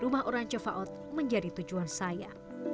rumah orang jafaot menjadi tujuan saya